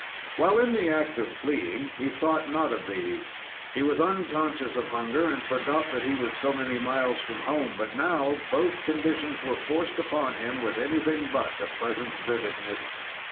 While in the act of fleeing, he thought not of these. He was unconscious of hunger, and forgot that he was so many miles from home; but now both conditions were forced upon him with anything but a pleasant vividness.